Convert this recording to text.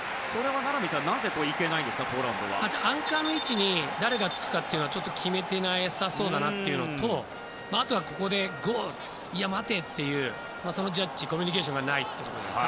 アンカーの位置に誰がつくかというのをちょっと決めていなさそうだなというのとあとはここでゴー、待てというそのジャッジコミュニケーションがないということです。